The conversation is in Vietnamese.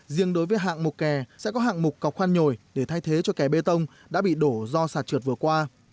riêng đối với hạng mục kè sẽ có hạng mục cọc khoan nhồi để thay thế cho kè bê tông đã bị đổ do sạt trượt vừa qua